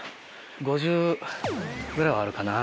１ｍ５０ぐらいはあるかな。